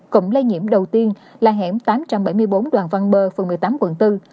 cụm lây nhiễm đầu tiên là hẻm tám trăm bảy mươi bốn đoàn văn bơ phường một mươi tám quận bốn